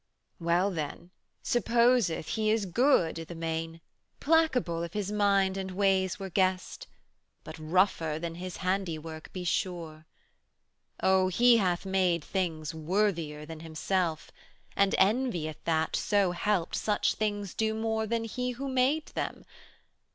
Well then, 'supposeth He is good i' the main, Placable if His mind and ways were guessed, 110 But rougher than His handiwork, be sure! Oh, He hath made things worthier than Himself, And envieth that, so helped, such things do more Than He who made them!